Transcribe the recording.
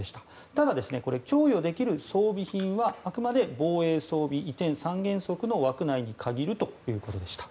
ただ、供与できる装備品はあくまで防衛装備移転三原則の枠内に限るということでした。